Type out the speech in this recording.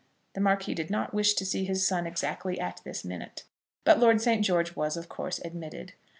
The Marquis did not wish to see his son exactly at this minute; but Lord St. George was, of course, admitted.